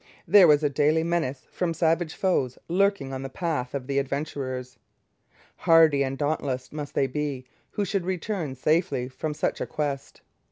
There was a daily menace from savage foes lurking on the path of the adventurers. Hardy and dauntless must they be who should return safely from such a quest.